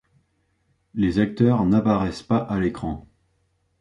Les acteurs n'apparaissent pas à l'écran.